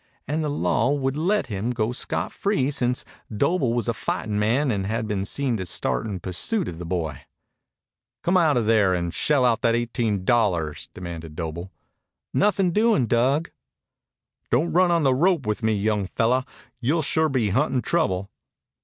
And the law would let him go scot free, since Doble was a fighting man and had been seen to start in pursuit of the boy. "Come outa there and shell out that eighteen dollars," demanded Doble. "Nothin' doin', Dug." "Don't run on the rope with me, young fellow. You'll sure be huntin' trouble."